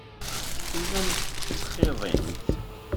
Tellamt tettxiḍimt.